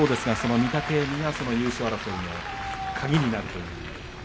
御嶽海優勝争いの鍵になると。